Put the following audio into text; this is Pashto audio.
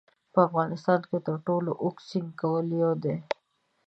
په افغانستان کې تر ټولو اوږد سیند کوم یو دی؟